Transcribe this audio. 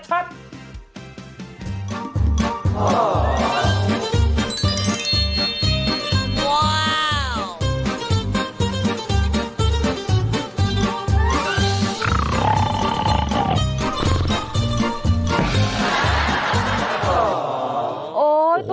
โอ้ยตัวเล็ก